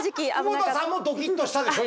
久保田さんもドキッとしたでしょ